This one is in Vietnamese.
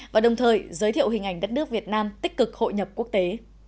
và đồng thời giới thiệu hình ảnh đất nước việt nam tích cực hội nhập quốc tế